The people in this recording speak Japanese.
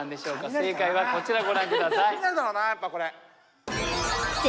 正解はこちらご覧下さい。